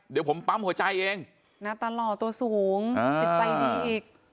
เดี๋ยวผมปั๊มหัวใจเองหน้าตาหล่อตัวสูงจิตใจดีอีก